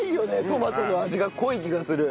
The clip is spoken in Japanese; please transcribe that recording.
トマトの味が濃い気がする。